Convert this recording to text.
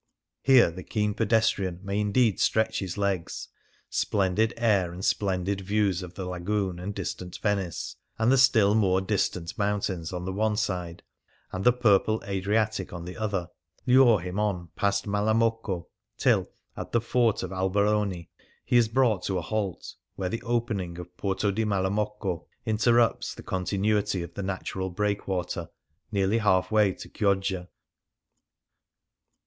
Here the keen pedestrian may indeed stretch his legs. Splendid air and splendid views of the Lagoon and distant Venice, and the still more distant mountains on the one side, and the purple Adriatic on the other, lure him ou past Malamocco till, at the fort of Alberoni, he is brought to a halt, where the opening of Porto di Malamocco interrupts the continuity of the natural breakwater, nearly halfway to Chioggia.